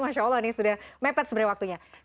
masya allah ini sudah mepet sebenarnya waktunya